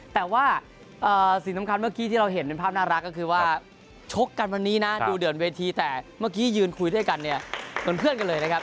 แต่ว่าสิ่งสำคัญเมื่อกี้ที่เราเห็นเป็นภาพน่ารักก็คือว่าชกกันวันนี้นะดูเดือดเวทีแต่เมื่อกี้ยืนคุยด้วยกันเนี่ยเหมือนเพื่อนกันเลยนะครับ